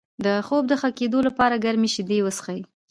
د خوب د ښه کیدو لپاره ګرمې شیدې وڅښئ